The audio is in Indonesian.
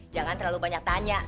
jangan terlalu banyak tanya